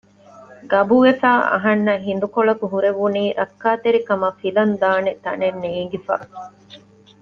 ގަބުވެފައި އަހަންނަށް ހިނދުކޮޅަކު ހުރެވުނީ ރައްކާތެރި ކަމަށް ފިލަން ދާނެ ތަނެއް ނޭނގިފަ